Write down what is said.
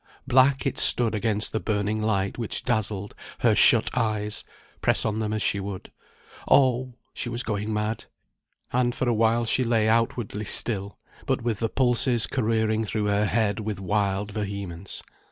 Black it stood against the burning light which dazzled her shut eyes, press on them as she would. Oh! she was going mad; and for awhile she lay outwardly still, but with the pulses careering through her head with wild vehemence.